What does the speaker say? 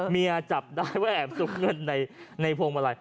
เมียจับได้ว่าแอบซุกเงินในโพงเมลัย